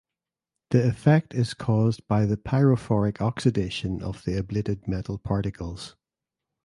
The effect is caused by the pyrophoric oxidation of the ablated metal particles.